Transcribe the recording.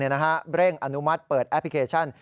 เร่งอนุมัติเปิดแอปพลิเคชัน